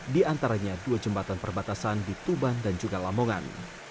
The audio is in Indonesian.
di antaranya dua jembatan perbatasan di tuban dan juga lamongan